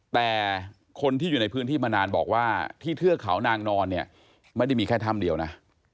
แต่คนที่อยู่ในพื้นที่มานานบอกว่าที่เทือกเขานางนอนเนี่ยไม่ได้มีแค่ถ้ำเดียวนะ